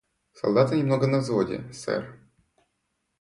Солдаты немного на взводе, сэр.